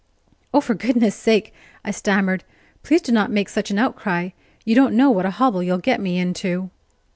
"Oh, for goodness sake," I stammered, "please, do not make such an outcry! You don't know what a hobble you'll get me into."